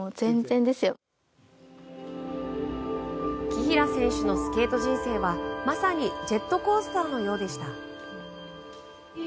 紀平選手のスケート人生はまさにジェットコースターのようでした。